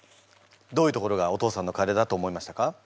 どういうところがお父さんのカレーだと思いましたか？